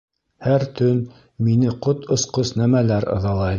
Һәр төн мине ҡот осҡос нәмәләр ыҙалай